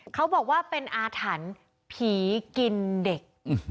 เขาบอกว่าเป็นอาถรรพ์ผีกินเด็ก